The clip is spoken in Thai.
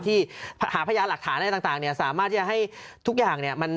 ที่หาพยานหลักฐานอะไรต่างเนี่ยสามารถที่จะให้ทุกอย่างเนี่ย